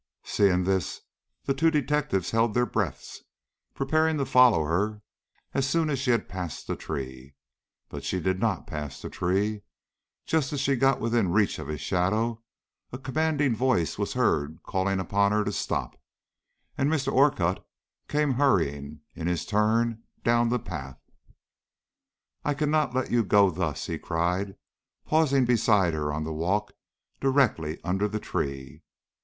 Seeing this, the two detectives held their breaths, preparing to follow her as soon as she had passed the tree. But she did not pass the tree. Just as she got within reach of its shadow, a commanding voice was heard calling upon her to stop, and Mr. Orcutt came hurrying, in his turn, down the path. "I cannot let you go thus," he cried, pausing beside her on the walk directly under the tree.